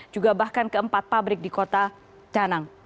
juga bahkan ke empat pabrik di kota tanang